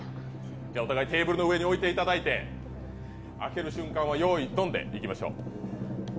お互いテーブルの上に置いていただいて、開ける瞬間は用意ドンでいきましょう。